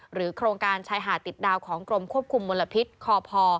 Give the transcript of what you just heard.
โครงการชายหาดติดดาวของกรมควบคุมมลพิษคพ